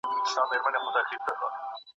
راتلونکي پلانونه کوم دي؟